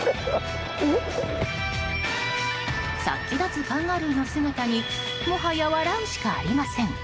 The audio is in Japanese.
殺気立つカンガルーの姿にもはや笑うしかありません。